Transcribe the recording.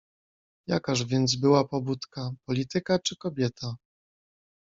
"Jakaż więc była pobudka: polityka czy kobieta?"